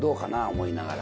思いながら。